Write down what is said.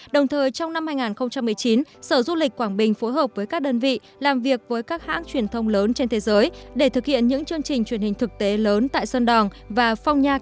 đồng thời trong năm hai nghìn một mươi chín sở du lịch quảng bình phối hợp với các đơn vị làm việc với các hãng truyền thông lớn trên thế giới để thực hiện những chương trình truyền hình thực tế lớn tại sơn đòn và phong nha kẻ bàng